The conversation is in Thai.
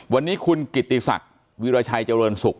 วันนี้คุณกิติสักวิรชัยเจริญศุกร์